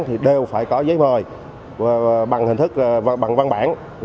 thì đều phải có giấy mời bằng hình thức và bằng văn bản